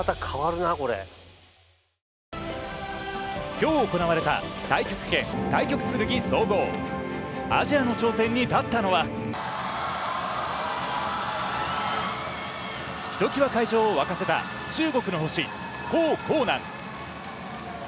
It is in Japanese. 今日行われた太極拳・太極剣総合アジアの頂点に立ったのはひときわ会場を沸かせた中国の星、コウ・コウナン。